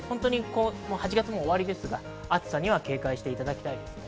８月も終わりですが、暑さには警戒していただきたいですね。